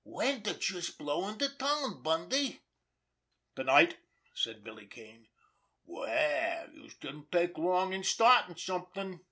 When did youse blow into town, Bundy?" "To night," said Billy Kane. "Well, youse didn't take long in startin' something!"